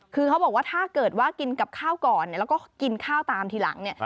คือเขาบอกว่าถ้าเกิดว่ากินกับข้าวก่อนแล้วก็กินข้าวตามทีหลังเนี่ย